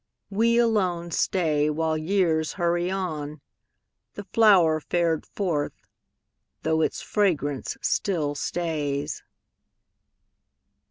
We alone stay While years hurry on, The flower fared forth, though its fragrance still stays.